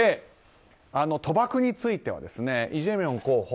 賭博についてはイ・ジェミョン候補